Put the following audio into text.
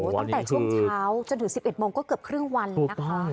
ตั้งแต่ช่วงเช้าจนถึง๑๑โมงก็เกือบครึ่งวันแล้วนะคะ